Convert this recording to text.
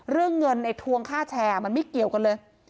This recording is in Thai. เรื่องเงินไอ้ทวงค่าแชร์มันไม่เกี่ยวกันเลย